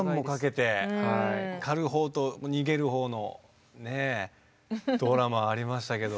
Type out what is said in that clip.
狩る方と逃げる方のねドラマありましたけど。